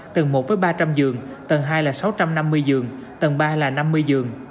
tầng một ba trăm linh giường tầng hai là sáu trăm năm mươi giường tầng ba là năm mươi giường